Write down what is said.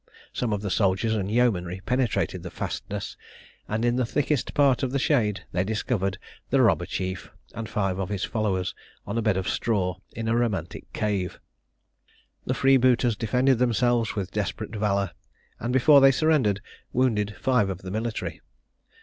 Some of the soldiers and yeomanry penetrated the fastness, and in the thickest part of the shade they discovered the "Robber Chief," and five of his followers, on a bed of straw, in a romantic cave. The freebooters defended themselves with desperate valour, and before they surrendered, wounded five of the military.